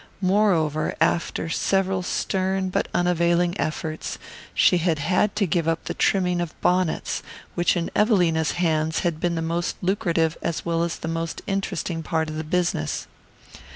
Moreover, after several stern but unavailing efforts, she had had to give up the trimming of bonnets, which in Evelina's hands had been the most lucrative as well as the most interesting part of the business.